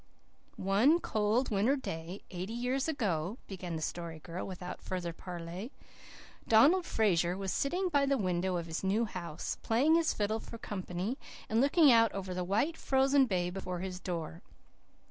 "One cold winter day, eighty years ago," began the Story Girl without further parley, "Donald Fraser was sitting by the window of his new house, playing his fiddle for company, and looking out over the white, frozen bay before his door.